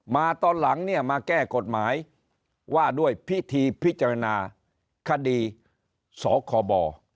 ตอนหลังเนี่ยมาแก้กฎหมายว่าด้วยพิธีพิจารณาคดีสคบ